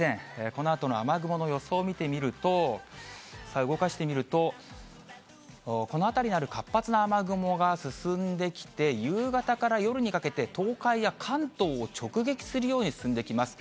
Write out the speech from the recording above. このあとの雨雲の予想を見てみると、さあ、動かしてみると、この辺りにある活発な雨雲が進んできて、夕方から夜にかけて東海や関東を直撃するように進んできます。